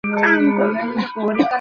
ধুর, বাল।